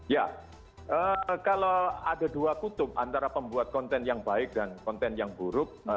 ya kalau ada dua kutub antara pembuat konten yang baik dan konten yang buruk